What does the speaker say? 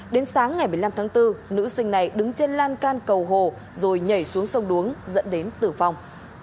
đến sáng ngày một mươi năm tháng bốn nữ sinh này đứng trên lan can cầu hồ rồi nhảy xuống sông đuống dẫn đến tử vong